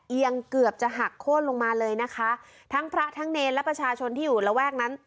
เอียงเกือบจะหักโค้นลงมาเลยนะคะทั้งพระทั้งเนรและประชาชนที่อยู่ระแวกนั้น